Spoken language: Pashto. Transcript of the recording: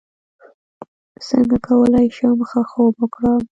څنګه کولی شم ښه خوب وکړم